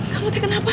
kamu tega kenapa